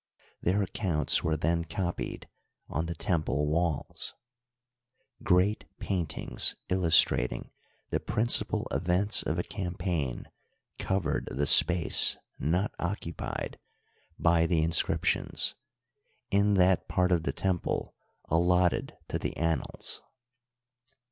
Their accounts were then copied on the temple wsdls. Great paintings illustrating the principal events of a campaign covered the space not occupied by the inscriptions, in that part of the temple Digitized byCjOOQlC INTRODUCTORY, 17 allotted to the annals.